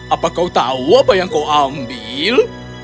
apa kau tahu apa yang kau ambil